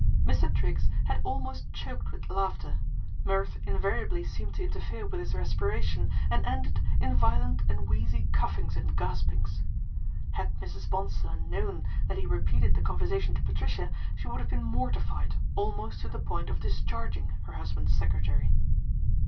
Mr. Triggs had almost choked with laughter ; mirth invariably seemed to interfere with his respiration and ended in violent and wheezy coughings and gaspings. Had Mrs. Bonsor known that he repeated the conversation to Patricia, she would have been mortified almost to the point of discharging her husband's secretary.